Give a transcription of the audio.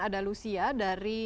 ada lucia dari